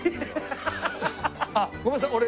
ごめんなさい俺。